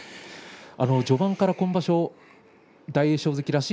序盤から今場所大栄翔関らしい